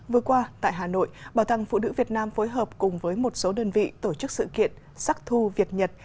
vừa qua tại hà nội bảo tàng phụ nữ việt nam phối hợp cùng với một số đơn vị tổ chức sự kiện sắc thu việt nhật